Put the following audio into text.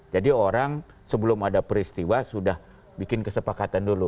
jadi orang sebelum ada peristiwa sudah bikin kesepakatan dulu